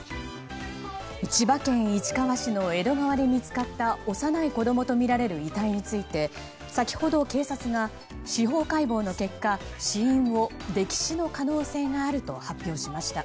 千葉県市川市の江戸川で見つかった幼い子供とみられる遺体について先ほど警察が司法解剖の結果死因を溺死の可能性があると発表しました。